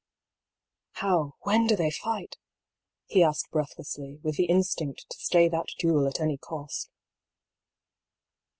" How, when do they fight?" he asked breathlessly, with the instinct to stay that duel at any cost.